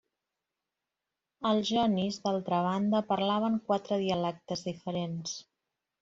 Els jonis, d'altra banda, parlaven quatre dialectes diferents.